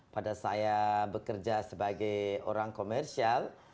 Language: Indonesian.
pada saya bekerja sebagai orang komersial